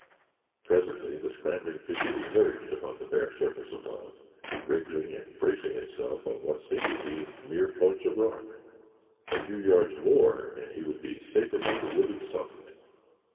Presently, the scrambling figure emerged upon the bare surface above, wriggling and bracing itself on what seemed to be mere points of rock. A few yards more and he would be safe upon the wooded summit.